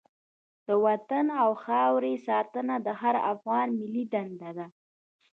د وطن او خاورې ساتنه د هر افغان ملي دنده ده.